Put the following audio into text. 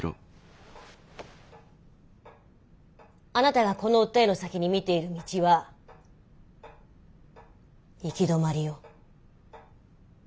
あなたがこの訴えの先に見ている道は行き止まりよ。